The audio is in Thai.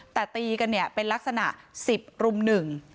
แต่ตีกันเนี่ยเป็นลักษณะสิบรุ่มหนึ่ง